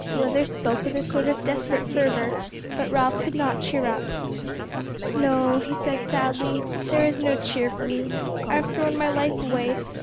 Leather spoke with a sort of desperate fervour, but Ralph could not cheer up. "No," he said sadly, "there is no cheer for me. I've thrown my life away.